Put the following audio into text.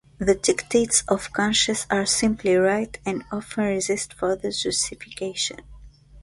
The dictates of conscience are simply right and often resist further justification.